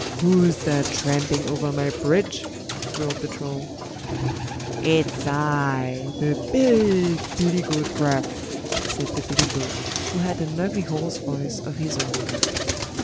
"WHO'S THAT tramping over my bridge?" roared the Troll. "IT'S I! THE BIG BILLY GOAT GRUFF", said the billy goat, who had an ugly hoarse voice of his own.